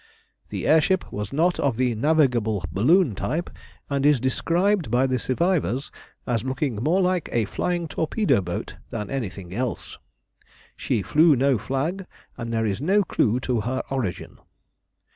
The air ship was not of the navigable balloon type, and is described by the survivors as looking more like a flying torpedo boat than anything else. She flew no flag, and there is no clue to her origin.